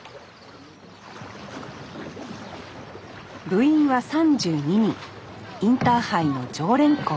部員は３２人インターハイの常連校２１。